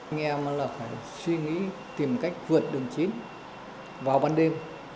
anh em là phải suy nghĩ tìm cách vượt đường chín vào ban đêm